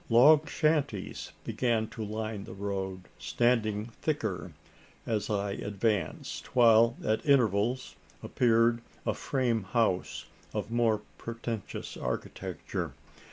Log shanties began to line the road standing thicker as I advanced; while at intervals, appeared a "frame house" of more pretentious architecture.